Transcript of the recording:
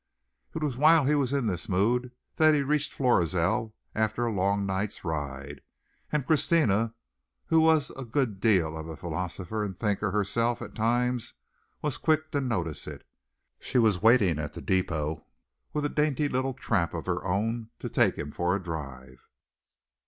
It was while he was in this mood that he reached Florizel after a long night's ride, and Christina who was a good deal of a philosopher and thinker herself at times was quick to notice it. She was waiting at the depot with a dainty little trap of her own to take him for a drive.